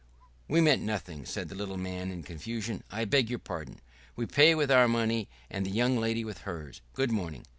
"We meant nothing..." said the little man in confusion. "I beg your pardon. We pay with our money and the young lady with hers. Good morning!"